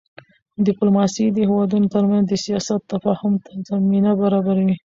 ډیپلوماسي د هېوادونو ترمنځ د سیاست تفاهم ته زمینه برابروي.